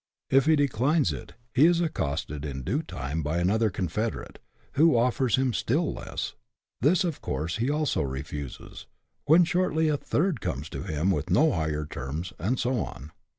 If he declines it, he is accosted, in due time, by another confederate, who offers him still less ; this, of course, he also refuses, when shortly a third comes to him with no higher terms, and so on.